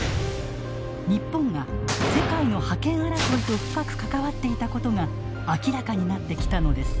日本が世界の覇権争いと深く関わっていたことが明らかになってきたのです。